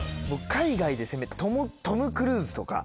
海外で攻めるトム・クルーズとか。